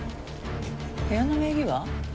部屋の名義は？